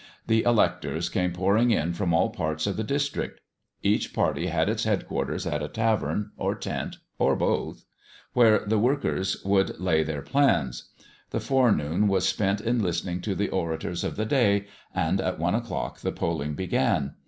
The electors came pouring in from all parts of the district. Each party had its headquarters at a tavern, or tent, or both, where the workers would lay their plans. The forenoon was spent in listening to the orators of the day, and at one o'clock the polling began.